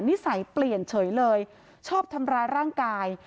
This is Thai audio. นิสัยเปลี่ยนเฉยเลยชอบทำร้ายร่างกาย